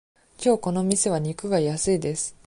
きょうこの店は肉が安いです。